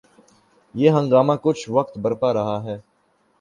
یہ ہنگامہ کچھ وقت برپا رہتا ہے۔